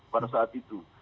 pada saat itu